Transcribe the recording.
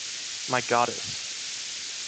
My goddess.